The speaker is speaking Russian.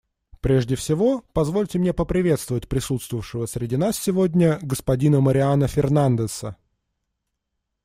Прежде всего, позвольте мне поприветствовать присутствовавшего среди нас сегодня господина Мариано Фернандеса.